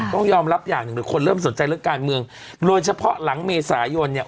ต้องยอมรับอย่างหนึ่งหรือคนเริ่มสนใจเรื่องการเมืองโดยเฉพาะหลังเมษายนเนี่ย